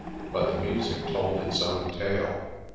But the music told its own tale.